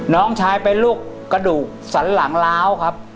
น้องชายเป็นลูกกระดูกสันหลังล้าวครับ